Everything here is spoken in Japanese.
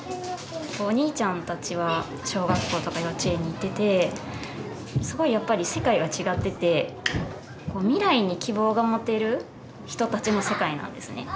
お兄ちゃんたちは小学校とか幼稚園に行っていてすごいやっぱり世界が違ってて未来に希望が持てる人たちの世界なんですね。